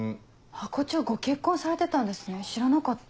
ハコ長ご結婚されてたんですね知らなかった。